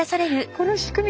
この仕組み